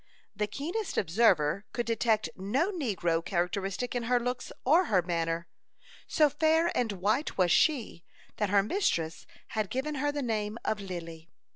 The keenest observer could detect no negro characteristic in her looks or her manner. So fair and white was she, that her mistress had given her the name of "Lily."